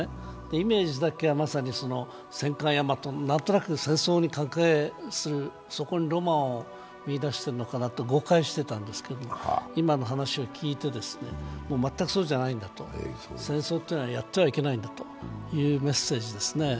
イメージだけはまさに戦艦ヤマト、なんとなく戦争にそこにロマンを見いだしているのかなと誤解していたんですけど、今の話を聞いて、全くそうじゃないんだと、戦争というのは、やってはいけないんだというメッセージですね。